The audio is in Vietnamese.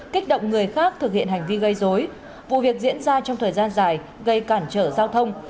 kích động người khác thực hiện hành vi gây dối vụ việc diễn ra trong thời gian dài gây cản trở giao thông